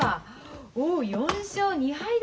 おお４勝２敗だ。